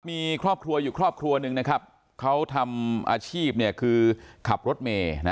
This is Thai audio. มีครอบครัวอยู่ครอบครัวหนึ่งนะครับเขาทำอาชีพคือขับรถเมย์